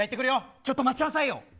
ちょっと待ちなさいよ。